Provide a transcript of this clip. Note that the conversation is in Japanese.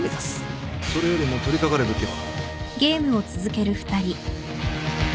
それよりも取り掛かるべきは。